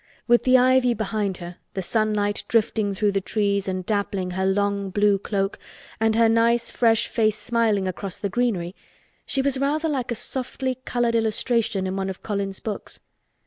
With the ivy behind her, the sunlight drifting through the trees and dappling her long blue cloak, and her nice fresh face smiling across the greenery she was rather like a softly colored illustration in one of Colin's books.